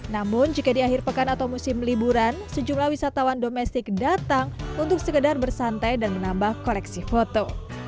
namun jika di akhir pekan atau musim liburan sejumlah wisatawan domestik datang untuk sekedar bersantai dan menambah koleksi foto